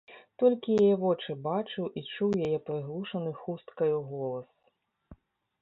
Толькі яе вочы бачыў і чуў яе прыглушаны хусткаю голас.